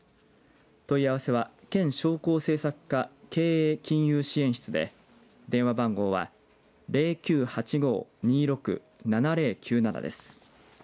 問い合わせは県商工政策課経営金融支援室で電話番号は０９８５‐２６‐７０９７です。